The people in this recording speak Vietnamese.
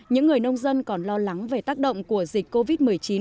những người nông dân còn lo lắng về tác động của dịch covid một mươi chín